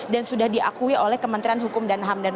dan sudah diakui oleh kementerian hukum dan hamdan